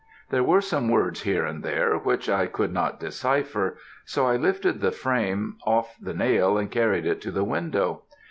There were some words here and there which I could not decipher; so I lifted the frame off the nail and carried it to the window.